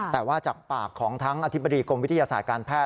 แต่ว่าจากปากของทั้งอธิบดีกรมวิทยาศาสตร์การแพทย